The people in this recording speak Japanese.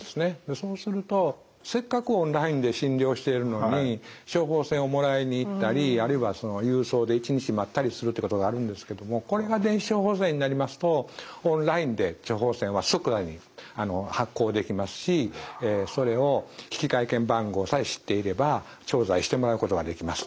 そうするとせっかくオンラインで診療しているのに処方箋をもらいに行ったりあるいは郵送で１日待ったりするっていうことがあるんですけどもこれが電子処方箋になりますとオンラインで処方箋は即座に発行できますしそれを引換券番号さえ知っていれば調剤してもらうことができます。